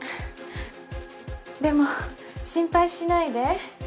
でも心配しないで。